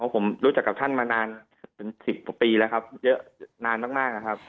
ผมรู้จักกับท่านมานานเป็น๑๐กว่าปีแล้วครับเยอะนานมากนะครับ